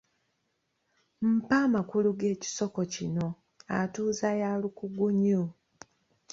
Mpa amakulu g’ekisoko kino: Atuzza ya lukugunyu.